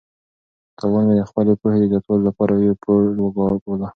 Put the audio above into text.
تاوان مې د خپلې پوهې د زیاتوالي لپاره یو پور وباله.